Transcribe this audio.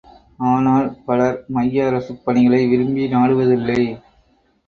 ஆனால் பலர் மைய அரசுப் பணிகளை விரும்பி நாடுவதில்லை.